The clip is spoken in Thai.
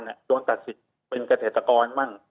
เขาก็ตัดสิทธิ์เป็นเกษตรกรบ้าง